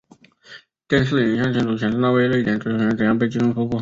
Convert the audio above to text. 电视影像清楚显示那位瑞典足球员怎样被击中腹部。